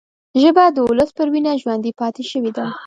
ژبه د ولس پر وینه ژوندي پاتې شوې ده